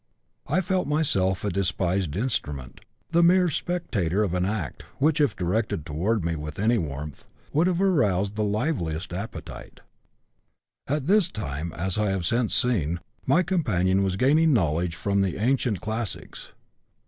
I felt myself a despised instrument, the mere spectator of an act which, if directed toward me with any warmth, would have aroused the liveliest appetite. At this time, as I have since seen, my companion was gaining knowledge from the ancient classics.